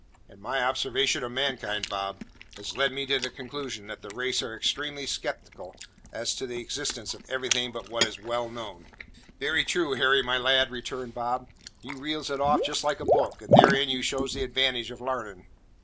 And my observation of mankind, Bob, has led me to the conclusion that the race are extremely sceptical as to the existence of everything but what is well known." "Very true, Harry, my lad," returned Bob; "you reels it all off just like a book, and therein you shows the advantages of larning.